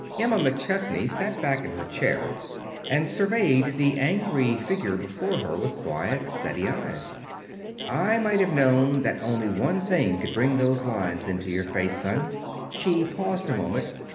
Emma McChesney sat back in her chair and surveyed the angry figure before her with quiet, steady eyes. "I might have known that only one thing could bring those lines into your face, son." She paused a moment.